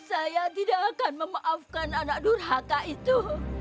saya tidak akan memaafkan anak durhaka itu